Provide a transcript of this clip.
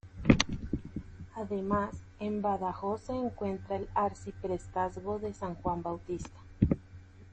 Además, en Badajoz se encuentra el Arciprestazgo de San Juan Bautista.